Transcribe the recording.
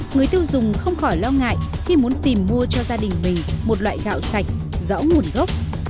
người tiêu dùng không khỏi lo ngại khi muốn tìm mua cho gia đình mình một loại gạo sạch rõ nguồn gốc